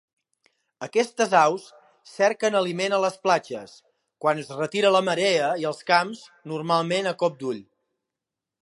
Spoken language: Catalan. Aquestes aus cerquen aliment a les platges, quan es retira la marea i als camps, normalment a cop d'ull.